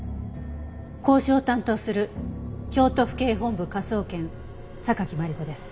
交渉を担当する京都府警本部科捜研榊マリコです。